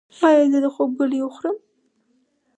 ایا زه د خوب ګولۍ وخورم؟